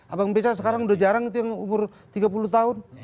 abang beca sekarang udah jarang itu yang umur tiga puluh tahun